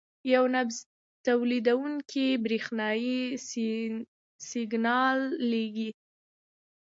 یو نبض تولیدوونکی برېښنايي سیګنال لېږي.